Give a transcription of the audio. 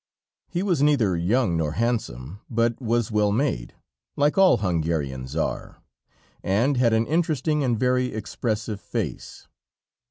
He was neither young nor handsome, but was well made, like all Hungarians are, and had an interesting and very expressive face.